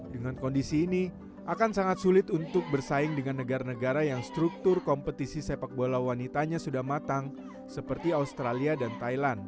dengan kondisi ini akan sangat sulit untuk bersaing dengan negara negara yang struktur kompetisi sepak bola wanitanya sudah matang seperti australia dan thailand